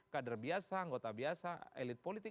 kader biasa anggota biasa elit politik